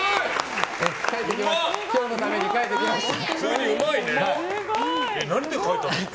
今日のために描いてきました。